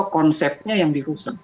konsepnya yang dirusak